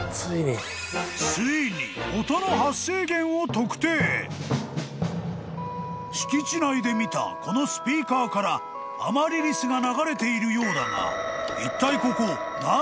［ついに］［敷地内で見たこのスピーカーから『アマリリス』が流れているようだがいったい］